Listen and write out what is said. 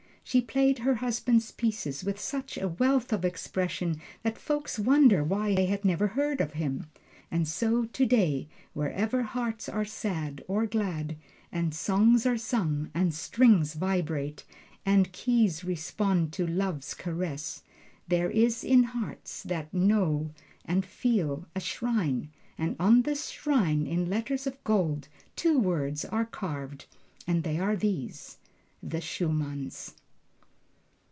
She played her husband's pieces with such a wealth of expression that folks wondered why they had never heard of them. And so today, wherever hearts are sad, or glad, and songs are sung, and strings vibrate, and keys respond to love's caress, there is in hearts that know and feel, a shrine; and on this shrine in letters of gold two words are carved, and they are these: THE SCHUMANNS.